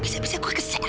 saya bisa terkelakukan